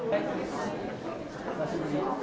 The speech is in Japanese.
久しぶり。